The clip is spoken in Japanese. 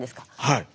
はい。